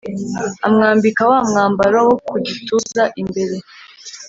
Amwambika wa mwambaro wo ku gituza imbere